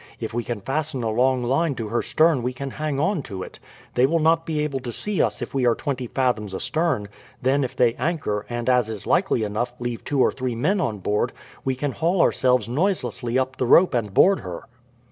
If we can fasten a long line to her stern we can hang on to it. They will not be able to see us if we are twenty fathoms astern. Then, if they anchor, and, as is likely enough, leave two or three men on board, we can haul ourselves noiselessly up with the rope and board her."